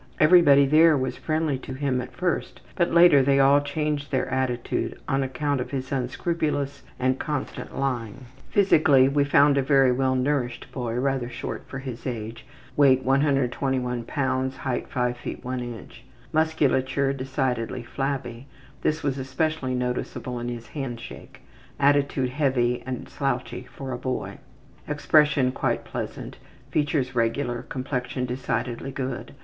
Everybody there was friendly to him at first, but later they all changed their attitude on account of his unscrupulous and constant lying. Physically we found a very well nourished boy, rather short for his age. Weight 121 lbs.; height 5 ft. 1 in. Musculature decidedly flabby; this was especially noticeable in his handshake. Attitude heavy and slouchy for a boy. Expression quite pleasant; features regular; complexion decidedly good.